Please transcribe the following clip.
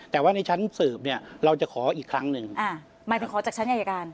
แต่ว่าในชั้นสืบเนี่ยเราจะขออีกครั้งหนึ่งอ่าหมายถึงขอจากชั้นอายการ